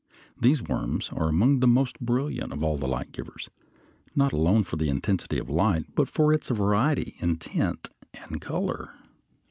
These worms are among the most brilliant of all light givers; not alone for the intensity of light, but for its variety in tint and color.